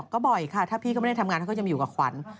ก็บ่อยค่ะถ้าพี่ก็ไม่ได้ทำงานเขาก็จะมาอยู่กับขวัญ